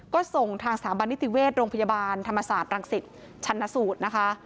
ก็ส่งทางสถาบันนิติเวชโรงพยาบาลธรรมศาสตร์รังสิตชันสูตรนะคะ